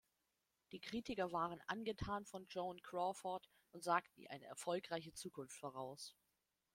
Die Kritiker waren angetan von Joan Crawford und sagten ihr eine erfolgreiche Zukunft voraus.